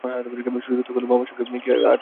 সুচরিতা কহিল, বাবার সঙ্গে কি আর কারো তুলনা হয়?